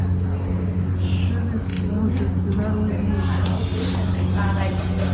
Vostedes non xestionaron eses megavatios.